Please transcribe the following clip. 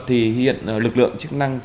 thì hiện lực lượng chức năng